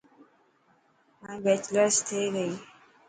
مائي بيچلرز ٿي گئي.